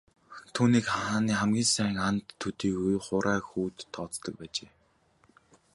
Түүнийг хааны хамгийн сайн анд төдийгүй хуурай хүүд тооцдог байж.